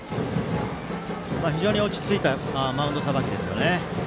非常に落ち着いたマウンドさばきですね。